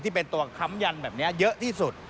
ที่เป็นตัวค้ำยันแบบนี้เยอะที่สุด